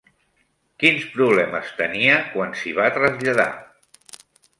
Quins problemes tenia quan s'hi va traslladar?